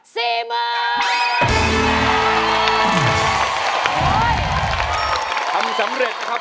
ทำสำเร็จนะครับ